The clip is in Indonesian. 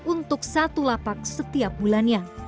untuk satu lapak setiap bulannya